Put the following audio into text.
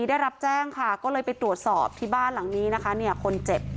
ได้รับแจ้งค่ะก็เลยไปตรวจสอบที่บ้านหลังนี้นะคะเนี่ยคนเจ็บ